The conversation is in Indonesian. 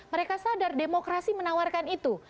mereka sadar demokrasi menawarkan itu